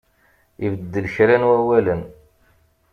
Ibeddel kra n wawalen.